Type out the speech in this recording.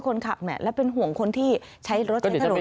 คนขับและเป็นห่วงคนที่ใช้รถใช้ถนน